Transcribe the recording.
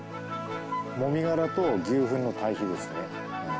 もみ殻と牛ふんの堆肥ですね。